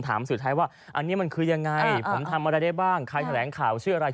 สุดท้ายว่าอันนี้มันคือยังไงผมทำอะไรได้บ้างใครแถลงข่าวชื่ออะไร